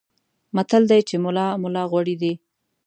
متل دی چې ملا ملا غوړي دي.